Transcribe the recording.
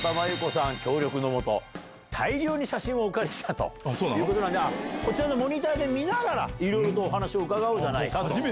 大量に写真をお借りしたということなんでこちらのモニターで見ながらいろいろとお話を伺おうじゃないかと。